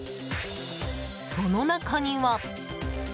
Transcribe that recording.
その中には。